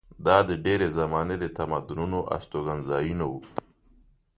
دا د ډبرې زمانې د تمدنونو استوګنځایونه وو.